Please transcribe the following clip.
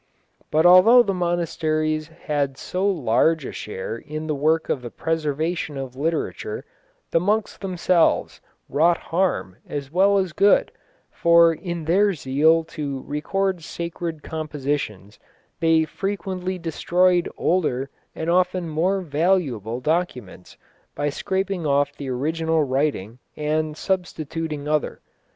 But although the monasteries had so large a share in the work of the preservation of literature, the monks themselves wrought harm as well as good, for in their zeal to record sacred compositions they frequently destroyed older and often more valuable documents by scraping off the original writing and substituting other.